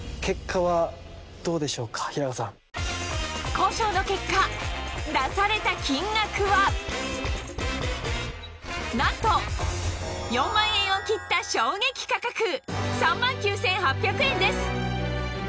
交渉の結果出された金額はなんと４万円を切った衝撃価格３万９８００円